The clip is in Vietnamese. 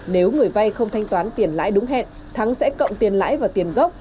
nếu người vay không thanh toán tiền lãi đúng hẹn thắng sẽ cộng tiền lãi và tiền gốc